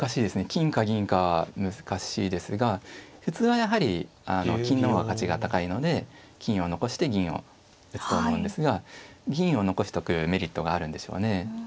金か銀かは難しいですが普通はやはり金の方が価値が高いので金を残して銀を打つと思うんですが銀を残しとくメリットがあるんでしょうね。